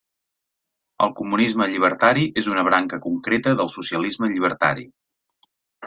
El comunisme llibertari és una branca concreta del socialisme llibertari.